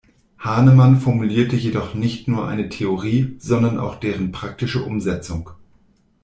Hahnemann formulierte jedoch nicht nur eine Theorie, sondern auch deren praktische Umsetzung.